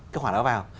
cái khoản đó vào